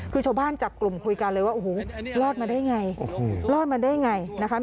คือชวนบ้านจับกลุ่มคุยกันเลยว่าโอ้โหรอดมาได้อย่างไรรอดมาได้อย่างไรนะคะ